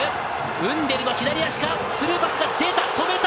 ウンデルの左足からスルーパスが出た、とめた！